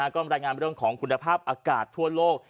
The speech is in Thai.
ก็รายงานเรื่องของคุณภาพอากาศทั่วโลก